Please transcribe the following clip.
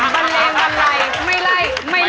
บันเลงบันไรไม่ไรไม่เลิก